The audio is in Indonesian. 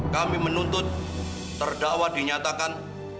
kami menuntut terdakwa dinyatakan